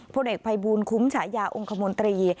พลเอกภัยบูลคุ้มฉายาองค์คมนตรี